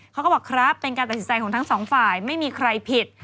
เขาก็บอกครับเป็นการตัดสินใจของทั้งสองฝ่ายไม่มีใครผิด